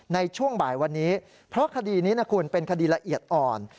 ในช่วงบ่ายวันนี้เพราะคดีนี้นะคุณเป็นคดีละเอียดอ่อน